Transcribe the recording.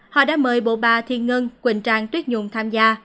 họ đã mời bộ ba thiên ngân quỳnh trang tuyết nhung tham gia